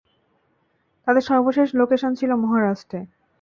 তাদের সর্বশেষ লোকেশান ছিল মহারাষ্ট্রে।